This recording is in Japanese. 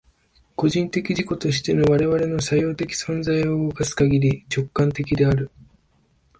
個人的自己としての我々の作用的存在を動かすかぎり、直観的である。